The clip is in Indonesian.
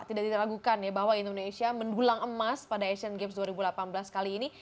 tidak diragukan ya bahwa indonesia mendulang emas pada asian games dua ribu delapan belas kali ini